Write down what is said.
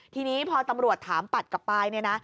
ทีนี้พอตำรวจถามปัดกลับไปเนี่ยนะ